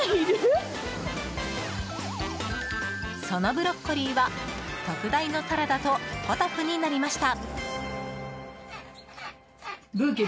そのブロッコリーは特大のサラダとポトフになりました。